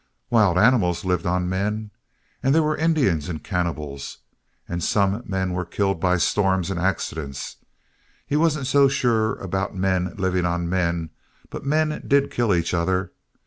Wild animals lived on men. And there were Indians and cannibals. And some men were killed by storms and accidents. He wasn't so sure about men living on men; but men did kill each other.